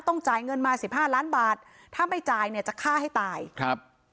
จ่ายเงินมาสิบห้าล้านบาทถ้าไม่จ่ายเนี่ยจะฆ่าให้ตายครับ